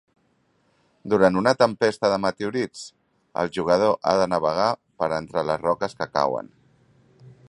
Durant una tempesta de meteorits, el jugador ha de navegar per entre les roques que cauen.